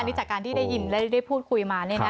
อันนี้จากการที่ได้ยินและได้พูดคุยมานี่นะ